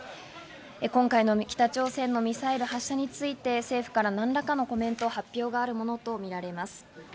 今回の北朝鮮のミサイル発射について、政府から何らかのコメント、発表があるものとみられます。